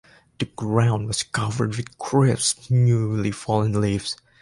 The ground was covered with crisp, newly fallen leaves.